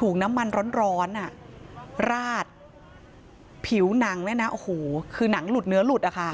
ถูกน้ำมันร้อนราดผิวหนังเนี่ยนะโอ้โหคือหนังหลุดเนื้อหลุดอะค่ะ